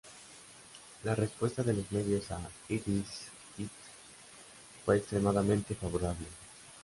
La respuesta de los medios a "Is This It" fue extremadamente favorable.